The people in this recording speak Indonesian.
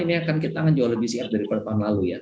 ini akan kita akan jauh lebih siap daripada tahun lalu ya